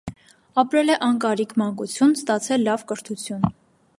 Ապրել է անկարիք մանկություն, ստացել լավ կրթություն։